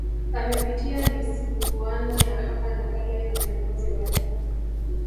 Amepitia misuguano ya hapa na pale na viongozi wake